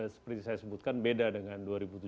seperti saya sebutkan beda dengan dua ribu tujuh belas